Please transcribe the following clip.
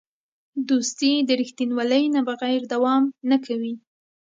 دوستي د رښتینولۍ نه بغیر دوام نه کوي.